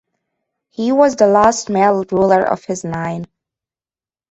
He was the last male ruler of his line.